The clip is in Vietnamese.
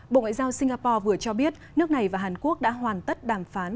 bộ ngoại giao singapore vừa cho biết nước này và hàn quốc đã hoàn tất đàm phán